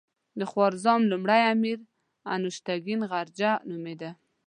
د خوارزم لومړی امیر انوشتګین غرجه نومېده.